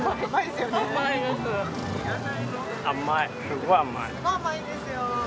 すごい甘いんですよ。